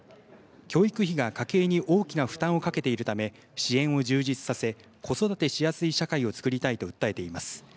教育費が家計に大きな負担をかけているため支援を充実させ子育てしやすい社会をつくりたいと訴えています。